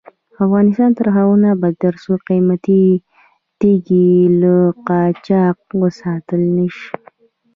افغانستان تر هغو نه ابادیږي، ترڅو قیمتي تیږې له قاچاق وساتل نشي.